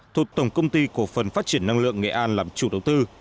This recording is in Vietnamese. thuộc tổng công ty cổ phần phát triển năng lượng nghệ an làm chủ đầu tư